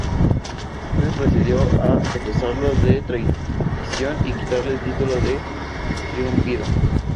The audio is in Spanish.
Octavio procedió a acusarlo de traición y a quitarle el título de triunviro.